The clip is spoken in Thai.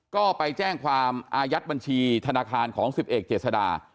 ก็ไปแจ้งความอายัดบัญชีธนาคารของ๑๐เอกเจษดา